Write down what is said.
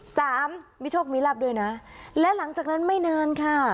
สามมีโชคมีลับด้วยนะและหลังจากนั้นไม่นานค่ะ